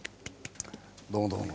どうもどうも。